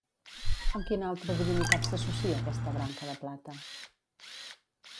Amb quina altra divinitat s'associa aquesta branca de plata?